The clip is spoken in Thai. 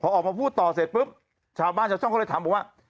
พอออกมาพูดต่อเสร็จปุ๊บชาวบ้านชาวช่องเขาเลยถามบอกว่า